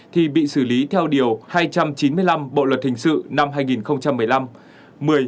thì bị xử lý theo điều hai trăm chín mươi năm bộ luật hình sự năm hai nghìn một mươi năm